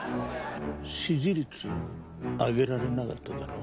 支持率上げられなかっただろ？